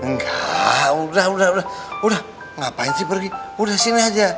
enggak udah udah ngapain sih pergi udah sini aja